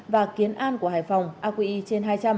và kiến an của hải phòng aqi trên hai trăm linh